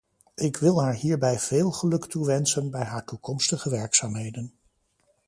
Ik wil haar hierbij veel geluk toewensen bij haar toekomstige werkzaamheden.